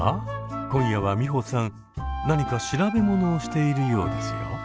今夜はミホさん何か調べ物をしているようですよ。